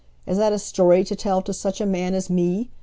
Is that a story to tell to such a man as me!